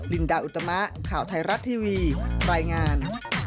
ลินดาอุตมะข่าวไทยรัฐทีวีรายงาน